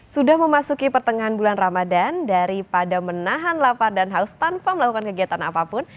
sudah memasuki pertengahan bulan ramadan daripada menahan lapar dan haus tanpa melakukan kegiatan apapun